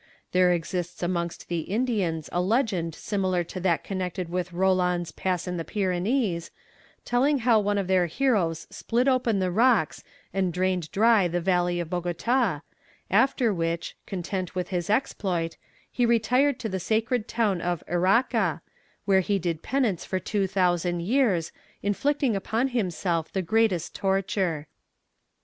There exists amongst the Indians a legend similar to that connected with Roland's Pass in the Pyrenees, telling how one of their heroes split open the rocks and drained dry the valley of Bogota, after which, content with his exploit, he retired to the sacred town of Eraca, where he did penance for 2000 years, inflicting upon himself the greatest torture.